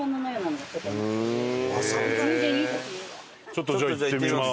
ちょっとじゃあ行ってみます。